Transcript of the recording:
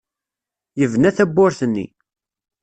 Yebna tawwurt-nni.